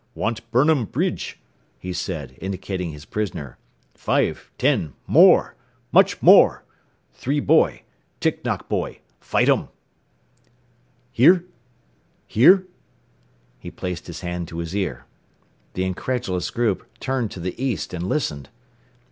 "Want burnum bridge," he said, indicating his prisoner. "Five, ten, more! Much more! Three boy tick knock boy fightem! "Hear? Hear?" He placed his hand to his ear. The incredulous group turned to the east and listened.